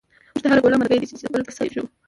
مونږ ته هر گوله مرگۍ دۍ، چی دبل په ست یی ژوو